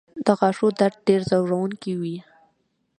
د غاښونو درد ډېر ځورونکی وي.